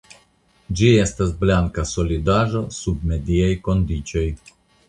Ĝi estas blanka solidaĵo sub mediaj kondiĉoj.